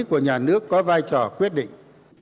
của nhà nước có vai trò quyết định